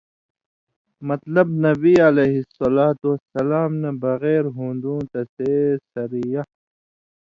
(مطلب نبی علیہ الصلوة والسلام نہ بغیر ہُوندُوں تسے سریہ